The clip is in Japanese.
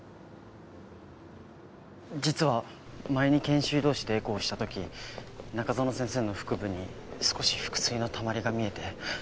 実は前に研修医同士でエコーした時中園先生の腹部に少し腹水のたまりが見えて。